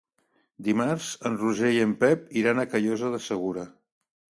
Dimarts en Roger i en Pep iran a Callosa de Segura.